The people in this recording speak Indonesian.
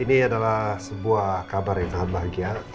ini adalah sebuah kabar yang sangat bahagia